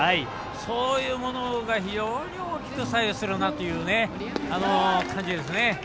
そういうものが非常に大きく左右するなという感じですね。